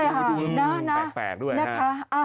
ใช่ค่ะแปลกด้วยนะคะ